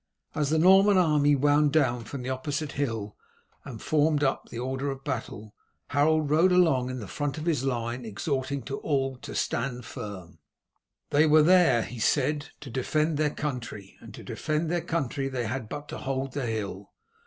As the Norman army wound down from the opposite hill and formed up in the order of battle, Harold rode along in front of his line exhorting all to stand firm. "They were there," he said, "to defend their country, and to defend their country they had but to hold the hill.